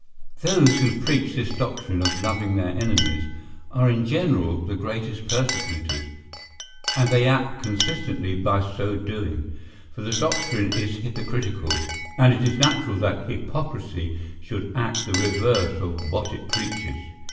Those who preach this doctrine of loving their enemies, are in general the greatest persecutors, and they act consistently by so doing; for the doctrine is hypocritical, and it is natural that hypocrisy should act the reverse of what it preaches.